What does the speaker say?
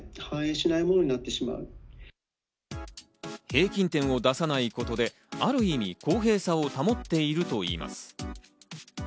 平均点を出さないことである意味、公平さを保っているといいます。